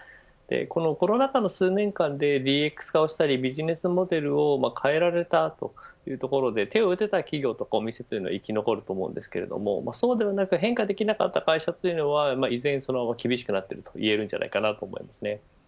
このコロナ禍の数年間でＤＸ化をしたりビジネスモデルを変えられたというところで手を打てた企業とかお店は生き残ると思うんですがそうではなく変化できなかった会社というのは、依然別の案は厳しくなってるといえるんじゃないかと思います。